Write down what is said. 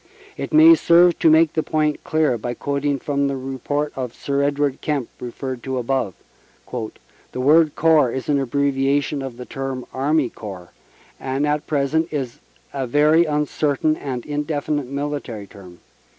It may serve to make the point clear by quoting from the report of Sir Edward Kemp referred to above. "The word Corps is an abbreviation of the term Army Corps, and at present is a very uncertain and indefinite military term.